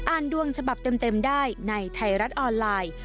ดวงฉบับเต็มได้ในไทยรัฐออนไลน์